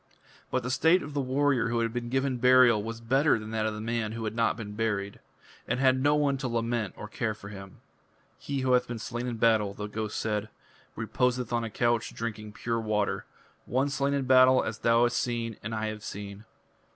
But the state of the warrior who had been given burial was better than that of the man who had not been buried, and had no one to lament or care for him. "He who hath been slain in battle," the ghost said, "reposeth on a couch drinking pure water one slain in battle as thou hast seen and I have seen.